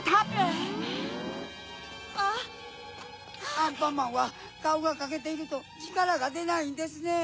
アンパンマンはカオがかけているとちからがでないんですね！